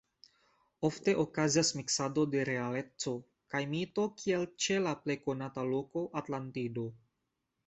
Ofte okazas miksado de realeco kaj mito kiel ĉe la plej konata loko Atlantido.